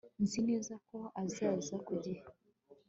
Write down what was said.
Nzi neza ko azaza ku gihe